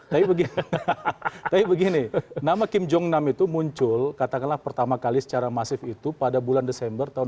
tapi begini tapi begini nama kim jong nam itu muncul katakanlah pertama kali secara masif itu pada bulan desember tahun dua ribu dua